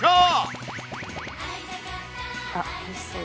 あっおいしそう。